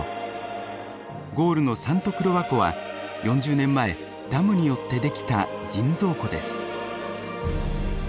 ゴールのサント・クロワ湖は４０年前ダムによって出来た人造湖です。